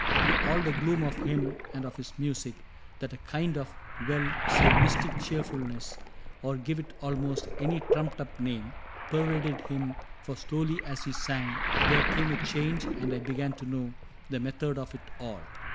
Through all the gloom of him and of his music, That a kind of — well, say mystic cheerfulness, Or give it almost any trumped up name, Pervaded him ; for slowly, as he sang. There came a change, and I began to know The method of it all.